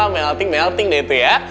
melting melting deh itu ya